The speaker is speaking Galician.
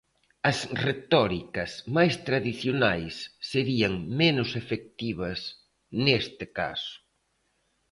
As retóricas máis tradicionais serían menos efectivas neste caso.